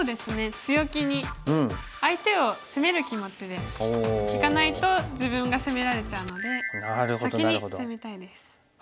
強気に相手を攻める気持ちでいかないと自分が攻められちゃうので先に攻めたいです。